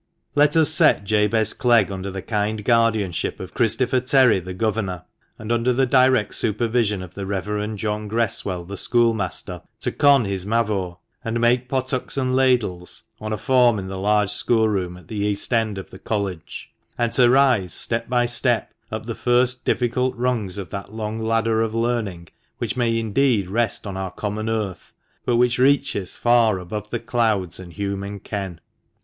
Let us set Jabez Clegg under the kind guardianship oi Christopher Terry, the Governor, and under the direct supervision of the Reverend John Gresswell, the schoolmaster, to con his Mavor, and make pothooks and ladles, on a form in the large schoolroom at the east end of the College, and to rise, step by step, up the first difficult rungs of that long ladder of learning which may indeed rest on our common earth, but which reaches far above the clouds and human ken.